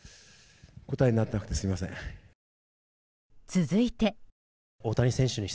続いて。